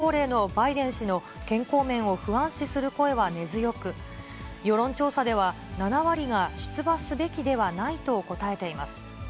現在、８０歳と大統領としては史上最高齢のバイデン氏の健康面を不安視する声は根強く、世論調査では７割が出馬すべきではないと答えています。